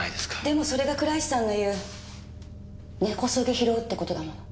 でもそれが倉石さんの言う根こそぎ拾うってことだもん。